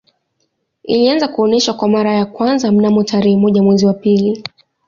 Ilianza kuonesha kwa mara ya kwanza mnamo tarehe moja mwezi wa pili